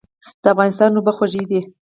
د افغانستان اوبه خوږې دي